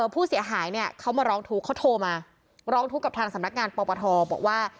ผู้เสียหายเนี่ยเขามาร้องทุกข์เขาโทรมาร้องทุกข์กับทางสำนักงานปปทบอกว่า